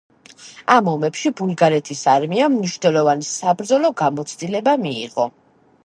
ამ ომებში ბულგარეთის არმიამ მნიშვნელოვანი საბრძოლო გამოცდილება მიიღო.